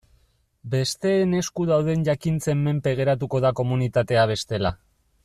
Besteen esku dauden jakintzen menpe geratuko da komunitatea bestela.